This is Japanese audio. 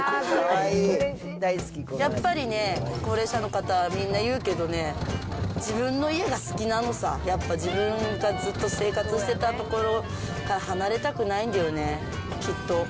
やっぱりね、高齢者の方、みんな言うけどね、自分の家が好きなのさ、やっぱ自分がずっと生活してた所から離れたくないんだよね、きっと。